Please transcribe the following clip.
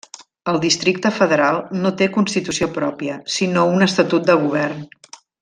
El Districte Federal no té constitució pròpia, sinó un Estatut de Govern.